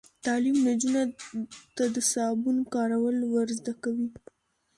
تعلیم نجونو ته د صابون کارول ور زده کوي.